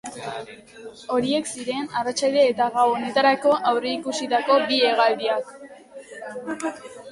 Horiek ziren arratsalde eta gau honetarako aurreikusitako bi hegaldiak.